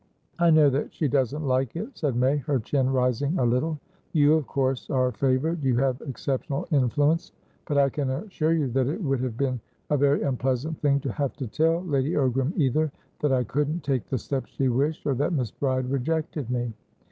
"I know that she doesn't like it," said May, her chin rising a little. "You, of course, are favoured. You have exceptional influence. But I can assure you that it would have been a very unpleasant thing to have to tell Lady Ogram either that I couldn't take the step she wished, or that Miss Bride rejected me."